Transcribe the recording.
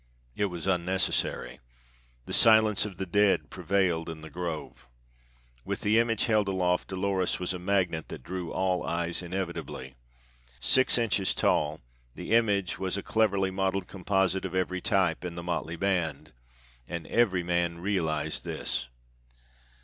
It was unnecessary: the silence of the dead prevailed in the Grove. With the image held aloft Dolores was a magnet that drew all eyes inevitably. Six inches tall, the image was a cleverly modeled composite of every type in the motley band; and every man realized this.